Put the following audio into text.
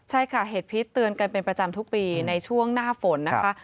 ใช่ค่ะเหตุพิษเตือนกันเป็นประจำทุกปีในช่วงหน้าฝนนะคะ